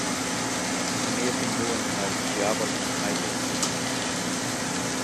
He may have been known as Jayavarman Ibis at that time.